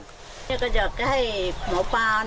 ก็อยากให้หมอปลาเนอะ